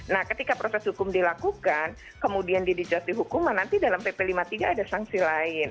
nah ketika proses hukum dilakukan kemudian didijati hukuman nanti dalam pp lima puluh tiga ada sanksi lain